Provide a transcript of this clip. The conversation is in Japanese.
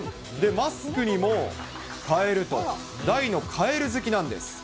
マスクにもカエルと、大のカエル好きなんです。